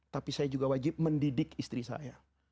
tapi saya juga wajib mendidik istri saya